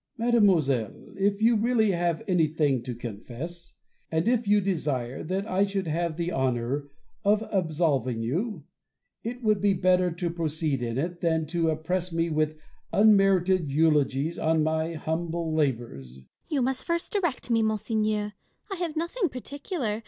Bossuet. Mademoiselle, if you really have anything to confess, and if you desire that I should have the honour of absolving you, it would be better to proceed in it, than to oppress me with unmerited eulogies on my humble labours. Fontanges. You must first direct me, monseigneur : I have nothing particular.